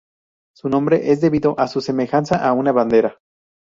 Su nombre es debido a su semejanza a una bandera.